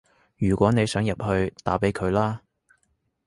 如果你想入去，打畀佢啦